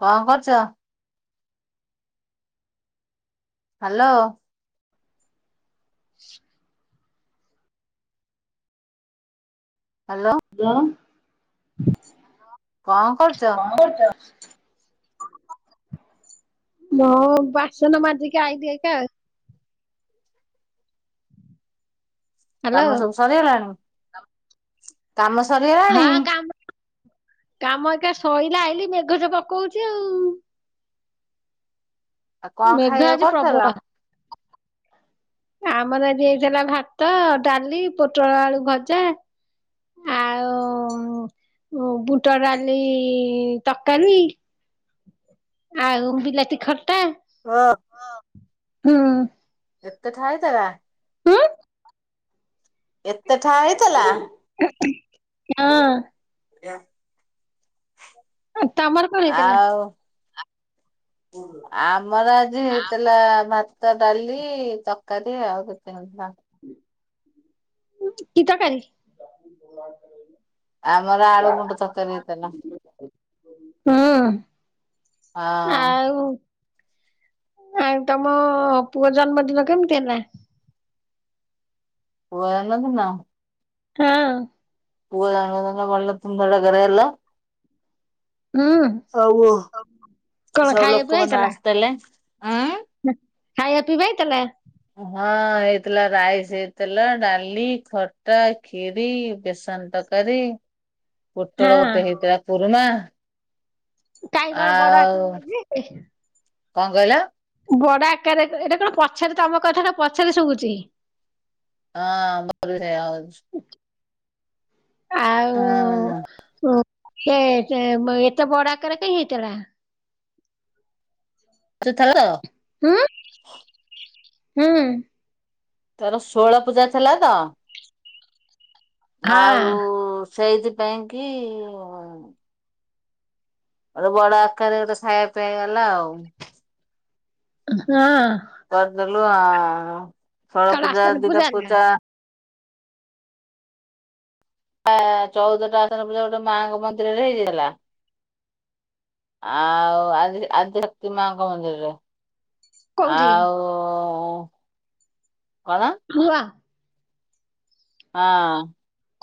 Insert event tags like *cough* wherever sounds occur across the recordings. କଣ କରୁଚ? Hello. *inaudible* Hello hello କଣ କରୁଛ? କଣ କରୁଚ? ମୋ ବାଷନ ମାଜି କି ଆଇଲି ଏକା ଆଉ। ହାଲୋ କାମ ସବୁ ସରିଗଲାଣି? କାମ ସରିଗଲାଣି ହଁ କାମ କାମ ଏକା ଶରିଲାଇ। ଖାଲି ମେଘଜ ପକଉଛଚି ଆଉ। ଆଉ କଣ ମେଘ ଖାଇବା ଆଜି ପ୍ରବଳ କରିଥିଲ? ଆମର ଆଜି ହେଇଥିଲା ଭାତ, ଡାଲି, ପୋଟଳ ଆଳୁ ଭଜା। *inaudible* ଓ ବୁଟ ଡାଲି ତରକାରୀ। ଆଉ ବିଲାତି ଖ ର ହଁ। ଏତେ ଖାଉଚ ବା? ହୁଁ? ଏତେ ଠା ହେଇଥିଲା? ନା। ଆଜ୍ଞା। ଅ ତମର କଣ ହେଇଥିଲା? ଆଉ ଆମର ଆଜି ହେଇଥିଲା ଭାତ୍ ଭାତ ଡାଲି ତରକାରୀ ଆଉ କେତେ ଆଉ କି ତରକାରି? ଆମର ଆଳୁ ଗୁଣ୍ଡ ତରକାରୀ ହେଇଥିଲା। ହୁଁ ହଁ ଆଉ ଉ ତମ ପୁଅ ଜନ୍ମଦିନ କେମିତି ହେଲା? ପୁଅ ଜନ୍ମ ଦିନ? ହଁ। ପୁଅ ଜନ୍ମ ଦିନରେ ଭଲ ଭଲ *unintelligible* ଦେଲ। ହୁଁ ସବୁ କଣ ସବୁ ଖାଇବା ପିଇବା ଲୋକମାନେ ହେଇଥିଲା? ଆସିଥିଲେ ଉଁ। ଟି ଯାଇଥିଲା? ହଁ ହେଇଥିଲା ରାଇସ ହେଇଥିଲା ଡାଲି ଖଟା ଖିରୀ ବେସନ। ସନ ତରକାରୀ ପୋଟଳ ଗୋଟେ ହଁ ହେଇଥିଲା କୁରୁମା। କାଇଁ କଣ ବଡବାପା ଆକୁ ଆଉ ନେଇ ଯିବେ କି? କଣ କହିଲ? ବଡ ଆକାରରେ ଏଇଟା କଣ ପଛରେ ତମ କଥାଟା ପଛରେ ଶୁଭୁଚି। ହଁ ମର ବି ସେୟା ହଉଚି। ହଁ। ସେ ଚେ ଏତେ ବଡ ଆକାରରେ ହେଇଥିଲା। *unintelligible* ଉଁ ହୁଁ। ତାର ଷୋଳ ପୂଜା ଥିଲା ତ। ହଁ ଆଉ ସେଇଥି ପାଇଁ କି ଗୋଟେ ବଡ ଆକାରରେ ଗୋଟେ ଖାଇବା ପିଆଇ ହେଲା ଆଉ। ହଁ। କରିଦେଲୁ ଆ ଷୋଳ କଣ ପୂଜା ଆସ୍ଥାନ ଦିନ ଦିଟା ନା ପୂଜା ଆ ଚଉଦଟା ଆସନ ପୂଜା ଗୋଟେ ମାଙ୍କ ମନ୍ଦିରରେ ହେଇଯାଇଥିଲା। ଆଉ ଆଦି ଆଦି ଶକ୍ତି ମାଙ୍କ ମନ୍ଦିରରେ। କୋଉଠି ଆଉ କଣ *unintelligible* ହଁ।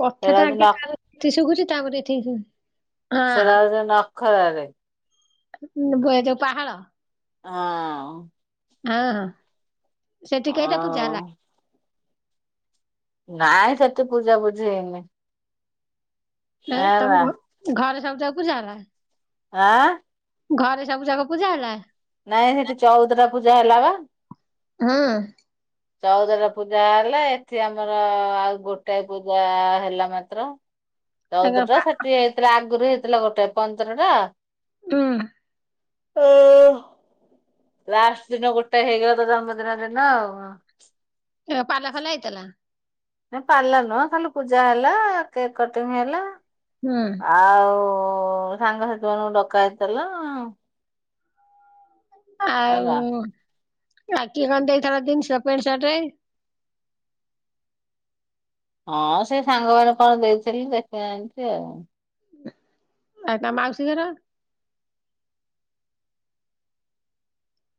କଥା ସେଇଟା ଟା ହଉଛି ଆଗେ ନ *unintelligible* ଶୁଭୁଚି ତାପରେ ଏଠିକି ଶୁଭୁଛି। ସେଇଟା ହଁ ହଉଚି ନଖରାରେ। ଯୋଉ ପାହାଳ। ଆଁ ହଁ ହଁ, ସେଠି କେଇଟା ପୂଜା ଆଉ ହେଲା? ନାଇଁ ସେଠି ପୂଜା ପୁଜି ହେଇନି। ଆଉ ତମ ହେଲା ଘ ଘରେ ସବୁଯାକ ପୂଜା ହେଲା? ଆଁ ଘରେ ସବୁ ଯାକ ପୂଜା ହେଲା? ନାଇଁ ହେଠି ଚଉଦ ଟା ପୂଜା ହେଲା ବା। ହୁଁ। ଚଉଦଟା ପୂଜା ହେଲା, ଏଠି ଆମର ଆଉ ଗୋ ଗୋଟାଏ ପୂଜା ହେଲା ମାତ୍ର, ତାଙ୍କର ଚଉଦଟା ସେଠି ହେଇଥିଲା ଆ ଆଗରୁ ହେଇଥିଲା ଗୋଟେ। ପନ୍ଦର ଟା ହୁଁ। ଅ ଲାଷ୍ଟ ଦିନ ଗୋଟେ ହେଇଗଲା, ତା ଜନ୍ମଦିନ ଦିନ ଆଉ। *inaudible* ପାଲା ଫାଲା ହେଇଥେଲା? ନା ପାଲା ନୁହଁ ଖାଲି ପୂଜା ହେଲା କେକ୍ କଟିଂ ହେଲା। ହୁଁ ଆଉ ଓ ସାଙ୍ଗସାଥି ମାନଙ୍କୁ ଡକା ହେଇଥିଲା। ଆଉ ହେଲା ରାକ୍ଷୀ କଣ ଦେଇଥିଲା ଜିନିଷ ପେଣ୍ଟ ସାର୍ଟ? ହଁ ସେ ସାଙ୍ଗ ମାନେ କଣ ଦେଇଥେଲି ଦେଖିନାହାନ୍ତି ଆଉ। ଆଉ ତା ମାଉସିଘର?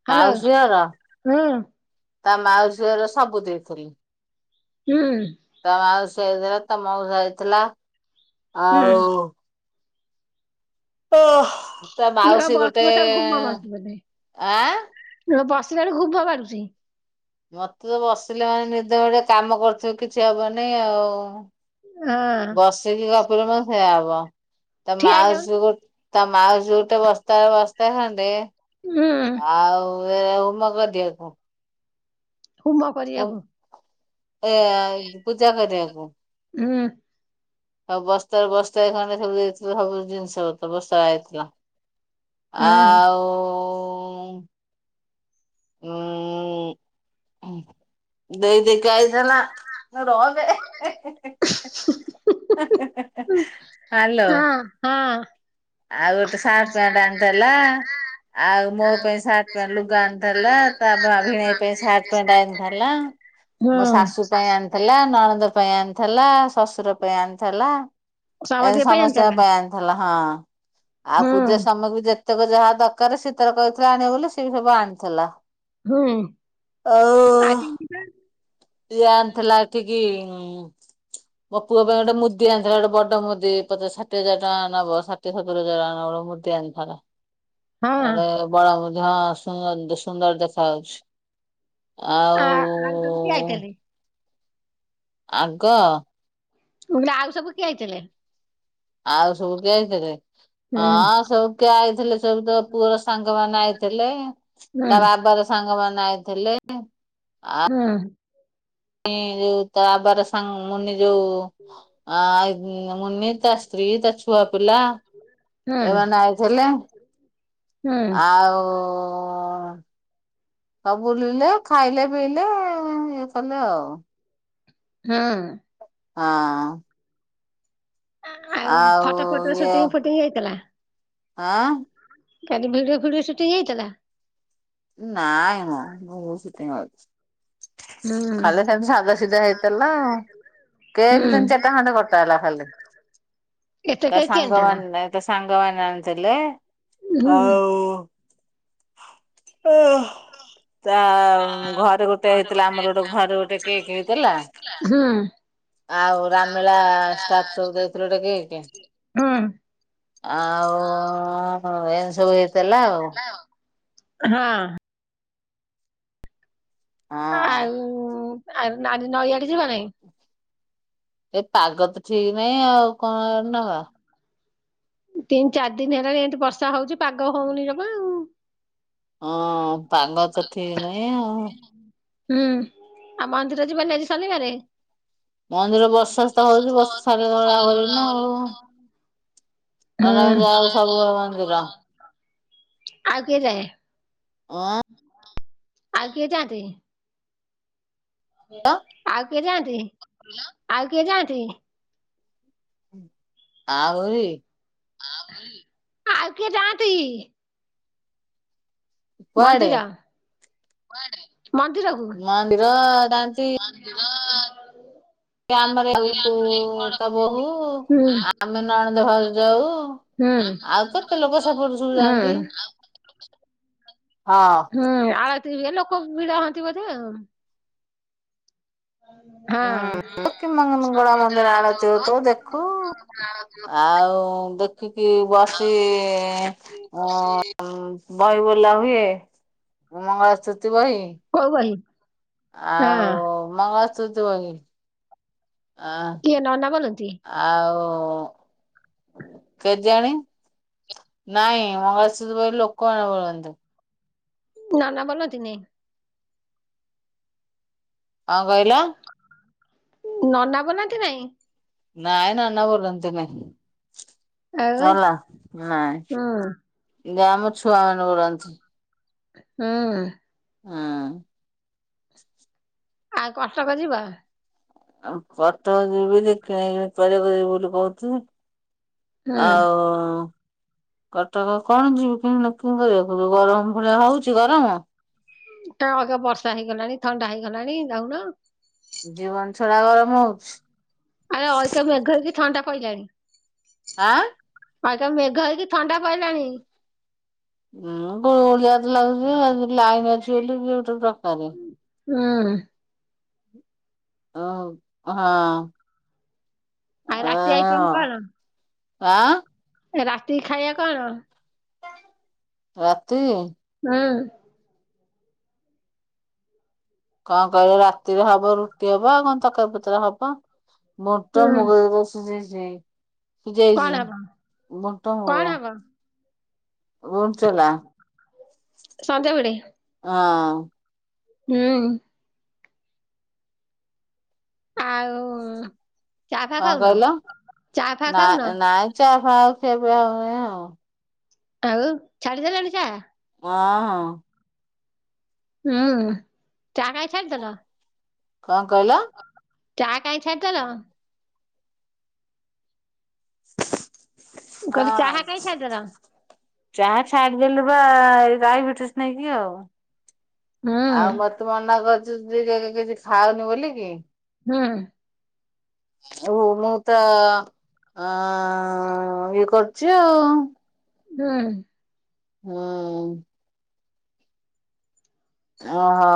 ହ୍ୟାଲୋ ମାଉସିଘର ହୁଁ ତା ମାଉସିଘର ସବୁ ଦେଇଥେଲେ। ହୁଁ। ତା ମାଉସୀ ଆଇଥେଲା, ତା ମଉସା ଅଇଥେଲା ହୁଁ ଆଉ ତା ଇଏ ମାଉସୀ ଗୋଟେ ବସ *unintelligible* ଘୁମ। ଆଁ *unintelligible* *unintelligible* ଘୁମ ମାରୁଚି। ମତେ ତ ବସିଲେ ମାନେ ନିଦେ ମାଡ଼ିବ କାମ କରୁଥିବି କିଛି ହବନି ଆଉ। ହଁ ବସିକି ଗପିଲେ ମାନେ ସେଇଆ ହବ। ତା ଠିଆ ହେଇଯାଉନୁ ମାଉସି ଗୋ ତା ମାଉସୀ ଗୋଟେ ବସ୍ତାରେ ବସ୍ତା ଖଣ୍ଡେ। ହୁଁ ଆଉ। *unintelligible* ହୁମ କରିବାକୁ *unintelligible* ଏ ପୂଜା କରିବାକୁ। ହୁଁ। ସବୁ ବସ୍ତାରେ ବସ୍ତାଏ ଖଣ୍ଡେ ସବୁ ଦେଇଥିଲା ସବୁ ଜିନିଷ। *unintelligible* ହୁଁ ଆଉ ଉଁ ଦେଇ ଦେଇକା ଆଇଥେଲା। ରହବେ *unintelligible* ହଁ ହଁ। ଆଉ ଗୋଟେ ସାର୍ ପ୍ୟାଣ୍ଟ ଆଣିଥେଲା। ଆଉ ମୋ ପାଇଁ ସାର୍ଟ ପ୍ୟାଣ୍ଟ- ଲୁଗା ଆଣିଥିଲା ତା ପା ଭିନେଇ ପାଇଁ ସାର୍ଟ ପ୍ୟାଣ୍ଟ ଆଣିଥିଲା। ହୁଁ ମୋ ଶାଶୁ ପାଇଁ ଆଣିଥେଲା ନଣନ୍ଦ ପାଇଁ ଆଣିଥିଲା ଶଶୁର ପାଇଁ ଆଣିଥିଲା ଏତି ସମସ୍ତିଙ୍କ ପାଇଁ ସମସ୍ତଙ୍କ ଆଣିଥିଲା ପାଇଁ ଆଣିଥିଲା ହଁ। ଆଉ ହୁଁ ପୂଜା ସାମଗ୍ରୀ ଯେତେକ ଯାହା ଦରକାର ସେ ତାର କହିଥିଲା ଆଣିବ ବୋଲି ସେ ବି ସବୁ ଆଣିଥିଲା। ହୁଁ ଆଉ ଆଜି ଯିବା। ଇଏ ଆଣିଥିଲା ଏଠିକ୍। ମୋ ପୁଅ ପାଇଁ ଗୋଟେ ମୁଦି ଆଣିଥିଲା ଗୋଟେ ବଡ ମୁଦି ତେ ଷାଠିଏ ହଜାର ଟଙ୍କା ନବ ଷାଠିଏ ସତୁରୀ ହଜାରେ ରେ ମୁଁଦି ଆଣି ଥାଆନ୍ତା। ହଁ ଆରେ ବଡ଼ ବୁଝା ହଁ ସୁନ୍ଦ-ସୁନ୍ଦର ଦେଖାାଯାଉଛି। ଆ ଆଉ ସବ୍ କ୍ୟା କରେ। ଆଗ। ଗା ରୁ ସବୁ ସବୁ କିଏ ଆଇଥିଲ? ଆଉ ଶବୁ କେଏଆଇ ଥିଲେ? ହୁଁ ହଁ ସବୁ କେ ଆଇଥିଲେ ସବୁ ତ ପୁଅର ସାଙ୍ଗ ମାନ ଆଇଥିଲେ। ତା ବାବ ହୁଁ ର ସାଙ୍ଗ ମାନ ଆଇଥିଲେ। ହଁ। ଏଁ ତା ପରେ ସାଙ୍ଗ- ମୁନି ଯୋଉ ଆ ମୁନି ତା ସ୍ତ୍ରୀ ତାଛୁଆ ପିଲା ହଁ ଏମାନେ ଆଇଥେଲେ। ହଁ ଆଉ- ସବୁ ବୁଲିଲେ। ଖାଇଲେ ପିଇଲେ ଇଏ କଲେ ଆଉ। ହଁ। ହଁ। ଆଉ ଫଟୋ ଫଟୋ ସୁଟିଂ ଫୁଟିଂ ହେଇଥିଲା? ଆ। କାଲି ଭିଡିଓ ଫିଡିଓ ସୁଟିଂ ହେଇଥିଲ? ନାଇଁ ମ ମୁଁ ବହୁ ସେଥିାଇଁଛି। ହେଇଥିଲା ଆଉ। ହୁଁ। କେକ୍ ହୁଁ ତିନି ଚାରିଟା ଖଣ୍ଡେ କଟା ହେଲା ଖାଲି ଏତେ ତା କେ କେନ୍ତାଲା ସାଙ୍ଗମାନେ ସାଙ୍ଗ ମାନେ ଆଣିଦେଲେ ହୁଁ ଆଉ *unintelligible* ତା ଘରେ ଗୋଟେ ହେଇଥିଲା ଆମର ଗୋଟେ ଘରେ ଗୋଟେ କେକ୍ ହେଇଥିଲା। ହୁଁ ଆଉ ରାମଳା ଷ୍ଟାଫ ସବୁ ଦେଇଥିଲୁ ଗୋଟେ କେକେ। ହଁ ଆଉ ଏମ- ସବୁ ହେଇଥିଲା ଆଉ। ହଁ। ହଁ ଆଉ- ଆଉ ଆଜି ନଈଆଡେ ଯିବା ନାଇଁ। ଏ ପାଗଦ ଠିକ ନାହିଁ ଆଉ କଣ ନବା। ତିନି ଚାରି ଦିନ ହେଲାଣି ଏମତି ବର୍ଷା ହଉଛି ପାଗ ହଉନି ଜମା ଆଉ। ହଁ ପାଗ ତ ଠିକ ନାହିଁ ଆଉ। ହୁଁ ଆଉ ମନ୍ଦିର ଯିବନି ଆଜି ଶନିବାରେ? ମନ୍ଦିର ବର୍ଷାତ ହଉଛି ବର୍ଷ ଛାଡ଼ି ଗଲେ ଯାହା କରିବିନା ଆଉ। ନ ଅ ନ ଆମେ ହୁଁ ଯାଉ ସବୁବେଳେ ମନ୍ଦିର। ଆଉ କିଏ ଯାଏ? ଅ। ଆଉ କିଏ ଯାନ୍ତି? ଆଉ କିଏ ଯାଆନ୍ତି ଆଉ କିଏ ଯାଆନ୍ତି? ଆ ଉ ରି। ଆଉ କିଏ ଯାଆନ୍ତି? କୁଆଡେ? ମନ୍ଦିର ମନ୍ଦିରକୁ। ମନ୍ଦିର ଯାଆନ୍ତି ଆମର ଆଉ ଆ ତା ବୋହୂ ଆମେ *unintelligible* ନଣନ୍ଦ ଘର ଯାଉ। ହୁଁ ଆଉ କେତେ ଲୋକ ସେପଟୁ ସବୁ ହୁଁ ଯାଆନ୍ତି। *unintelligible* ହଁ ହୁଁ ଆଳ ଏ ଲୋକ ବିିଧା ହନ୍ତି ବଧେ ହୁଁ କି ହଁ? ମଙ୍ଗଳା ମନ୍ଦିର ଆଳତି ହ ତୁ ଦେଖୁ ଆଉ ଦେଖିକି ବଷ ସେ ଅ ବହି ବୋଲା ହୁଏ। ମଙ୍ଗଳାସ୍ତୁତି ବାଇ। କୋଉ ବହି ଆଉ ହଁ ମଙ୍ଗଳାସ୍ତ ହ କିଏ ନନା ବୋଲନ୍ତି ଆଉ କେତେ ଜାଣି ନାଇଁ ମସ ଲୋକ ଆଣେ ଭନ୍ତ ନା ନା ବନ୍ତି ନ *unintelligible* ହଁ କହିଲା? ନ ନ ବନାହାନ୍ତି ନାଇଁ? ନାଇ ନାନା ବୋଲନ୍ତନ୍ତିୁମେ। ଆଉ ହେଲା ହଁ? ହୁଁ ଆମ ଛୁଆ ମାନଙ୍କୁ କରନ୍ତି। ହଁ। ହଁ। ଆଉ କଷ୍ଟକ ଯିବା? ଆ ପାଟ ଯିବି କି ପରିବାକୁ ଯିବି ବୋଲି କହୁଛି? ହୁଁ ଆଉ କଟକ କଣ ଯିବି କିୁ କିନ୍ତୁ ଦେଖଛୁ ଗରମ ଭଳିଆ ହଉଛି ଗରମ କ ଅଗା ବର୍ଷା ହେଇଗଲାଣି ଥଣ୍ଡା ହେଇଗଲାଣି ଯାଉନ? ଜୀବନ ଛଡା ଗରମ ହଉଛି। ଆରେ ଅ ମେଘର ବି ଥଣ୍ଡା ପିଲାଣି। ଆଁ? ଆଜ୍ଞା ମେଘ ହେକି ଥଣ୍ଡା ପାଇିଲାଣି। ଳିଆ ତ ଲାଗୁଛି ଲାଇନ ଅଛି ବୋଲିଟ ଦର ହଁ? ଓଃ ହଁ। ଆଉ ରାତି ଆଇକମ କଣ? ଆଁ? ରାତି ଖାଇବା କଣ? ରାତି? ହଁ। କଣ କହିଲ, ରାତିରେ ହବ ରୁଟି ହବ ଆଉ କଣ ତରକାରୀ ପତ୍ର ହବ? ମୋଟ ହୁଁ ମୁଗଶ ଶ କଣ ସିଜେଇଛି ହବ? ବୁଟ, କଣ ମୁଗ। ହବ ଉଞ୍ଚଲା ହଁ। ହଁ। ଆଉ ଚା ଫା କଣ ଖାଉନ? କହିଲ? ଚା ଫା ନା ଖାଉନ? ନାଇଁ ଚା ଭଉ କେବେ ଆ ହୁଏ ଆଉ। ଆଉ ଛାଡିଦେଲାଣି ଚା? ହ ହ। ହୁଁ ଚା କାଇ ଛଲ ତଲ? କଣ କହିଲା? ଚା କାଇଁ ଛାଡିଦେଲା? ମୁଁ କହିଲି ହଁ ଚାହା କାଇଁ ଛାଡିଦେଲ? ଚାହା ଛାଡିଦଲେ *unintelligible* ଡାଇବେଟିସ ନାଇ କି, ଆଉ ହୁଁ ଆଉ ମତେ ମନା କର କିଛି ଖାଉନି ବୋଲିକ କି *inaudible* ହଁ। ଓ ମୁଁ ତ ହ ଇଏ କରୁଛି ଆଉ। ହୁଁ। ହୁଁ। ଓହୋ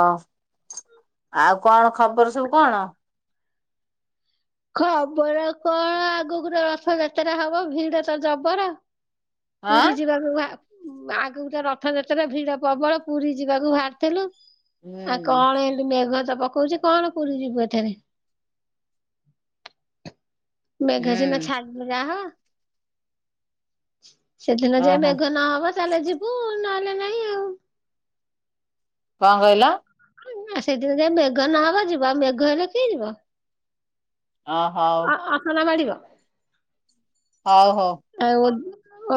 ଆଉ କଣ ଖବର ସବୁ କଣ? ଖବର କଣ ଆଗକୁ ରଥଯାତ୍ରା ହବ ଭିଡ ତ ଯବର। ଆଁ ପୁରୀ ଯିବାକୁ ଆଗକୁଟେ ରଥଯାତ୍ରା ଭିଡ ପ୍ରବଳ ପୁରୀ ଯିବାକୁ ବାହାରିଥେଲୁ। ଆଉ ହୁଁ କଣ ଏମିତି ମେଘ ତ ପକଉଛି କଣ ପୁରୀ ଯିବୁ ଏଥିରେ। ମେଘ ସିନା ହୁଁ ଛାଡିଲେ ଯାହା ହବ। ସେଦିନ ଓହୋ ଯାଏ ମେଘ ନହବ ତାହେଲେ ଯିବୁ ନହେଲେ ନାଇଁ ଆଉ। କଣକହିଲ! ଆଉ ସେଦିନ ଯାଏ ମେଘ ନହବ ଯିବ ଆଉ ମେଘ ହେଲେ କିଏ ଯିବ? ଅ ହଉ ଅ ଅସନା ମାଢିବ ହଉ ହଉ। ଆଉ।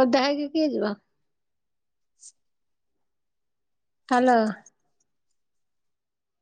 ଓଦା ହେଇକି କିଏ ଯିବା। ହ୍ୟାଲୋ!